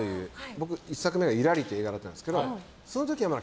僕、１作目が「ゆらり」という映画だったんですけど。